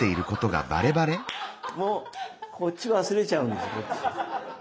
もうこっち忘れちゃうんです。